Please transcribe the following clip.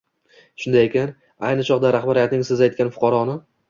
Shunday ekan, ayni chog‘da rahbariyatning siz aytgan fuqaroni